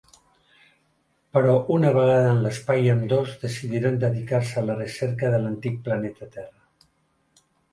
Però una vegada en l'espai, ambdós decidiran dedicar-se a la recerca de l'antic planeta Terra.